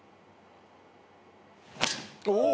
「お！」